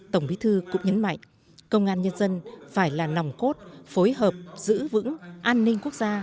tổng bí thư cũng nhấn mạnh công an nhân dân phải là nòng cốt phối hợp giữ vững an ninh quốc gia